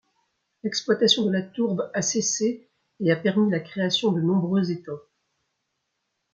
L'exploitation de la tourbe a cessé et a permis la création de nombreux étangs.